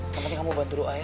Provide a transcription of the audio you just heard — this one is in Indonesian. yang penting kamu bantu doa ya